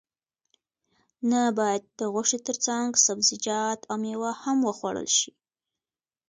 نه باید د غوښې ترڅنګ سبزیجات او میوه هم وخوړل شي